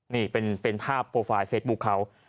นี่เป็นภาพโปรไฟล์เฟซบุ๊คเขา